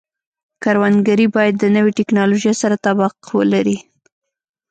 کروندګري باید د نوې ټکنالوژۍ سره تطابق ولري.